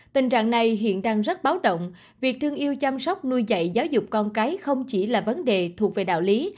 tình trạng này hiện đang rất báo động việc thương yêu chăm sóc nuôi dạy giáo dục con cái không chỉ là vấn đề thuộc về đạo lý